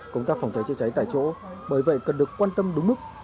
công tác phòng cháy chữa cháy tại chỗ bởi vậy cần được quan tâm đúng mức